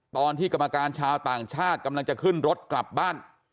กรรมการชาวต่างชาติกำลังจะขึ้นรถกลับบ้าน